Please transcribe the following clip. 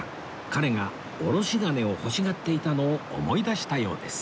彼がおろし金を欲しがっていたのを思い出したようです